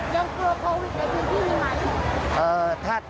ยังกลัวโควิด๑๙ที่นี่ไหม